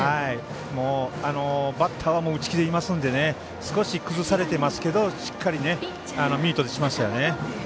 バッターは打つ気でいますので少し崩されてますけど、しっかりミートしましたよね。